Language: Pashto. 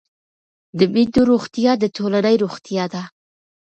د میندو روغتیا د ټولنې روغتیا ده.